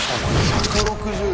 １６０台！